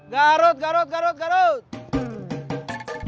garut garut garut garut